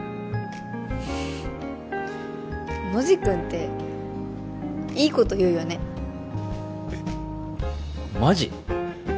ノジ君っていいこと言うよねえっマジ？